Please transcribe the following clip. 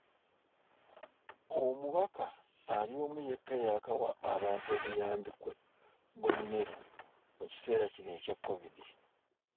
Omubaka ali omu yekka eyaakawa abantu obuyambi bw'emmere mu kiseera kino ekya COVID.